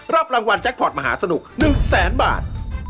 รับรางวัลแจ็คพอร์ตมหาสนุก๑แสนบาท